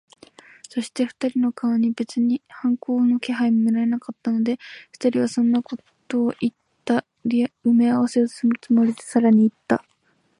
そして、二人の顔に別に反抗の気配も見られなかったので、二人にそんなことをいった埋合せをするつもりで、さらにいった。